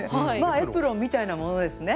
エプロンみたいなものですね。